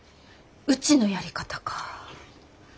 うちのやり方か。